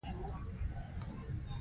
دا مسلک مواد په خورا اقتصادي شکل کاروي.